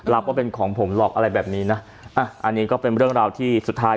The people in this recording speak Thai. รับว่าเป็นของผมหรอกอะไรแบบนี้นะอ่ะอันนี้ก็เป็นเรื่องราวที่สุดท้าย